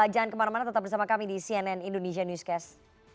jangan kemana mana tetap bersama kami di cnn indonesia newscast